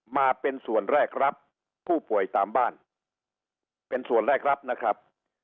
มาเป็นส่วนแรกรับผู้ป่วยตามบ้านเป็นส่วนแรกรับนะครับ